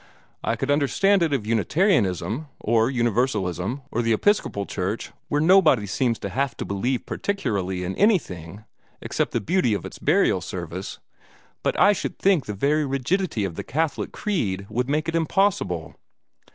I could understand it of Unitarianism, or Universalism, or the Episcopal Church, where nobody seems to have to believe particularly in anything except the beauty of its burial service, but I should think the very rigidity of the Catholic creed would make it impossible.